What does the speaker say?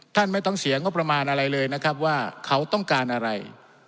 ท่านไม่ต้องเสียงบประมาณอะไรเลยนะครับว่าเขาต้องการอะไร